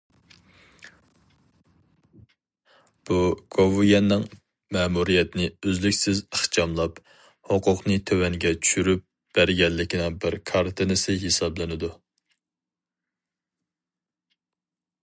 بۇ گوۋۇيۈەننىڭ مەمۇرىيەتنى ئۈزلۈكسىز ئىخچاملاپ، ھوقۇقنى تۆۋەنگە چۈشۈرۈپ بەرگەنلىكىنىڭ بىر كارتىنىسى ھېسابلىنىدۇ.